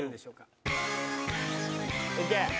いけ。